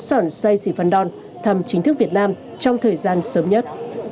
sỏn xây xỉ phần đòn thăm chính thức việt nam trong thời gian sớm nhất